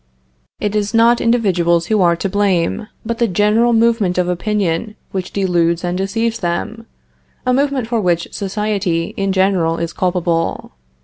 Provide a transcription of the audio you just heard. It is not individuals who are to blame, but the general movement of opinion which deludes and deceives them a movement for which society in general is culpable.